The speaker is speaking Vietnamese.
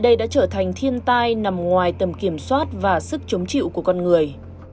hạn hán đã trở thành thiên tai nằm ngoài tầm kiểm soát và sức chống chịu của con người